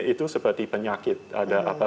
itu seperti penyakit ada